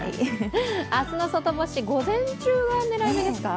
明日の外干し、午前中が狙い目ですか。